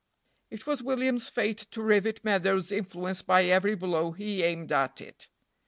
It was William's fate to rivet Meadows' influence by every blow he aimed at it.